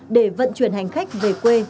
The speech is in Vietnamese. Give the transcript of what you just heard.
để vận chuyển hành khách về quê